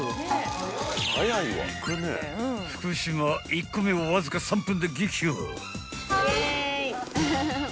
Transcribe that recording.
［福島１個目をわずか３分で撃破］